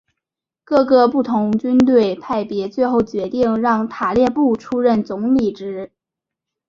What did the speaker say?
各个不同军队派别最后决定让塔列布出任总理职。